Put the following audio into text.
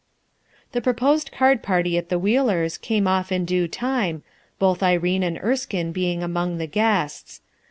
The proposed card party at the Wheelers' came off in due time, both Irene and Erskine being among the guests.